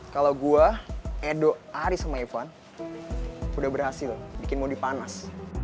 kalau gue edo aris sama ivan udah berhasil bikin mondi panas